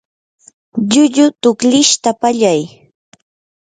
llullu tuklishta pallay.